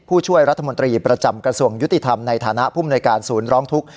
ผู้ช่วยรัฐมนตรีประจำกระทรวงยุติธรรมในฐานะผู้มนวยการศูนย์ร้องทุกข์